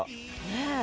ねえ。